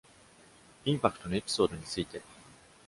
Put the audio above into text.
インパクトのエピソードについて！